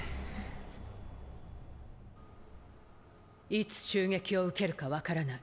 いつ襲撃を受けるか分からない。